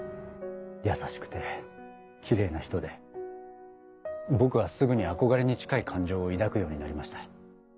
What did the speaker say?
優しくてキレイな人で僕はすぐに憧れに近い感情を抱くようになりました。